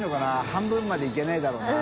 半分までいけないだろうな。